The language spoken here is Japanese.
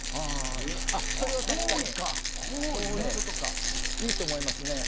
それは確かにねいいと思いますね。